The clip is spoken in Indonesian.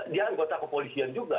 dia anggota kepolisian juga